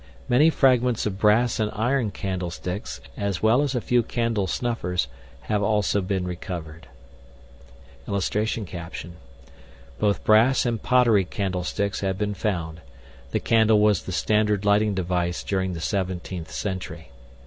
Many fragments of brass and iron candlesticks, as well as a few candle snuffers, have also been recovered. [Illustration: BOTH BRASS AND POTTERY CANDLESTICKS HAVE BEEN FOUND. THE CANDLE WAS THE STANDARD LIGHTING DEVICE DURING THE 17TH CENTURY.